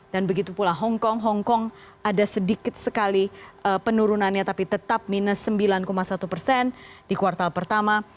dan begitu pula hongkong hongkong ada sedikit sekali penurunannya tapi tetap minus sembilan satu persen di kuartal pertama